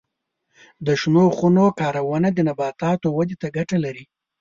د شنو خونو کارونه د نباتاتو ودې ته ګټه لري.